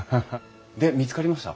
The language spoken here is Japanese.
で見つかりました？